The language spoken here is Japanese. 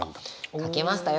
書きましたよ！